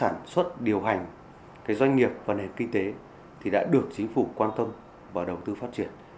trong sản xuất điều hành doanh nghiệp và nền kinh tế đã được chính phủ quan tâm và đầu tư phát triển